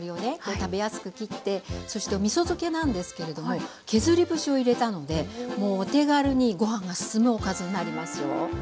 食べやすく切ってそしてみそ漬けなんですけれども削り節を入れたのでもうお手軽にご飯がすすむおかずになりますよ。